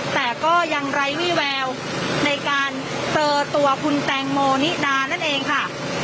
แต่ก็ยังไร้วี่แววในการเจอตัวคุณแตงโมนิดานั่นเองค่ะ